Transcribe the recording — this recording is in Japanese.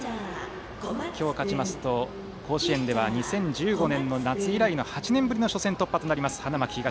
今日、勝ちますと甲子園では２０１５年の夏以来の８年ぶりの初戦突破、花巻東。